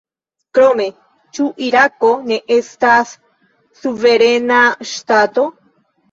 Krome: ĉu Irako ne estas suverena ŝtato?